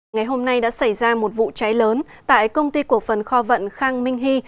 ngày hôm nay đã xảy ra một vụ cháy lớn tại công ty cổ phần kho vận khang minh hy